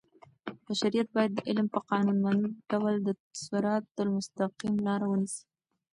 بشریت باید د علم په قانونمند ډول د صراط المستقیم لار ونیسي.